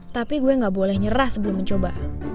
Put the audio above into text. tapi gue gak boleh nyerah sebelum mencoba